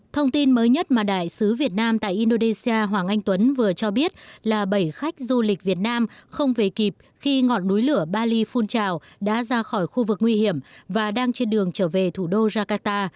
thông tin mới nhất mà đại sứ việt nam tại indonesia hoàng anh tuấn vừa cho biết là bảy khách du lịch việt nam không về kịp khi ngọn núi lửa bali fun trào đã ra khỏi khu vực nguy hiểm và đang trên đường trở về thủ đô jakarta